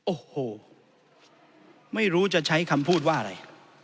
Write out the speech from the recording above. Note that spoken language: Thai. โอ้โหไม่รู้จะใช้คำพูดว่าอะไร